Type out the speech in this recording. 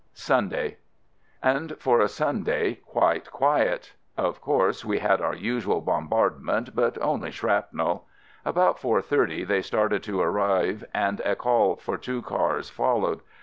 Sunday. And for a Sunday, quite quiet. Of course we had our usual bombardment, but only shrapnel. About 4.30, they started to arrive and a call for two cars followed.